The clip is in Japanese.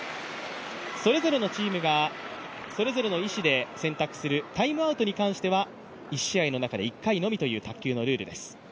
それぞれのチームがそれぞれの意志で選択するタイムアウトに関しては１試合の中で１試合のみという卓球のルールです